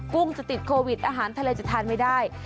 ุ้งจะติดโควิดอาหารทะเลจะทานไม่ได้